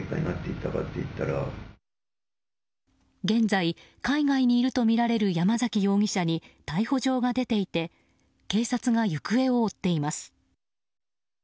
現在、海外にいるとみられる山崎容疑者に逮捕状が出ていて警察が行方を追っています。